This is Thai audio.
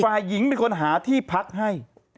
ฝ่ายหญิงเป็นคนหาที่พักให้